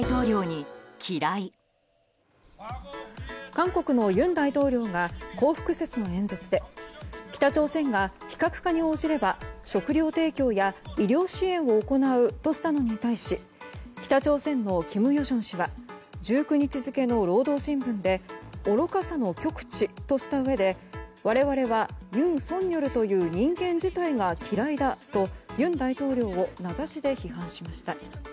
韓国の尹大統領が光復節の演説で北朝鮮が非核化に応じれば食糧提供や医療支援を行うとしたのに対し北朝鮮の金与正氏は１９日付の労働新聞で愚かさの極致としたうえで我々は、尹錫悦という人間自体が嫌いだと尹大統領を名指しで批判しました。